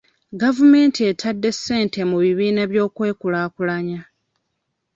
Gavumenti etadde ssente mu bibiina by'okwekulaakulanya.